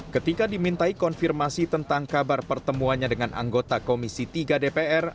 ketika dimintai konfirmasi tentang kabar pertemuannya dengan anggota komisi tiga dpr